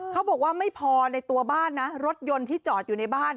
เขาบอกว่าไม่พอในตัวบ้านนะรถยนต์ที่จอดอยู่ในบ้าน